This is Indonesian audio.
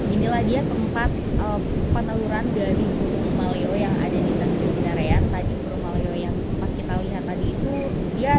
inilah dia tempat peneluran dari burung maleo yang ada di tempat peneluran